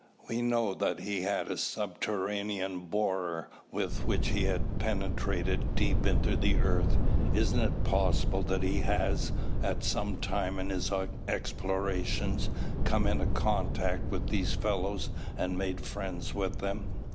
We know that he had a subterranean borer with which he has penetrated deep into the earth. Isn't it possible that he has, at some time in his explorations, come into contact with these fellows and made friends with them?"